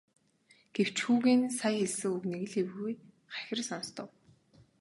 Гэвч хүүгийн нь сая хэлсэн үг нэг л эвгүй хахир сонстов.